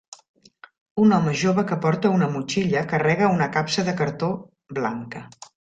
Un home jove que porta una motxilla carrega una capsa de cartó blanca.